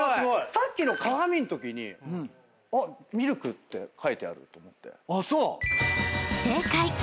さっきの鏡んときにあっ「ＭＩＬＫ」って書いてあると思って。